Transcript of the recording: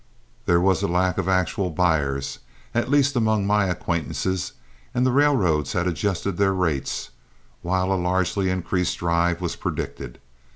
There was a lack of actual buyers, at least among my acquaintances, and the railroads had adjusted their rates, while a largely increased drive was predicted.